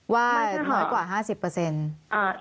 ว่าน้อยกว่า๕๐